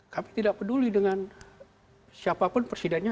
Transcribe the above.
kami tidak peduli dengan siapapun presidennya